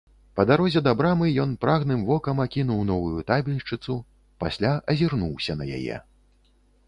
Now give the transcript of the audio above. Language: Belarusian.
Па дарозе да брамы ён прагным вокам акінуў новую табельшчыцу, пасля азірнуўся на яе.